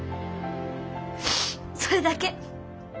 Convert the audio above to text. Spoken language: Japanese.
それだけ。